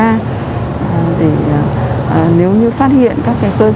nếu như phát hiện các cơ sở kinh doanh có điều kiện chúng tôi cũng thường xuyên tăng cường công tác kiểm tra